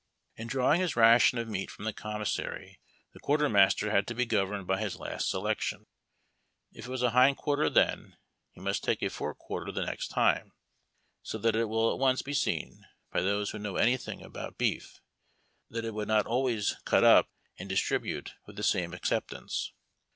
In drawing his ration of meat from the commissary the quartermaster had to be governed by his last selection. If it was a hindquarter then, he must take' a forequarter the next time, so that it v/ill at once be seen, by those who know anything about beef, that it would not always cut up and distribute with the same acceptance.